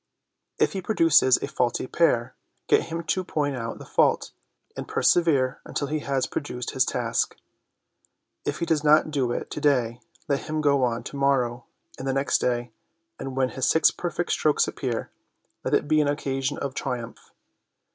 If he produces a faulty pair, get him to point out the fault, and persevere until he has produced his task ; if he does not do it to day, let him go on to morrow and the next day, and when the six perfect strokes appear, let it be an occasion of triumph.